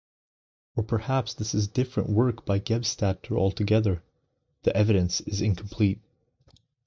Or perhaps this is a different work by Gebstadter altogether: the evidence is incomplete.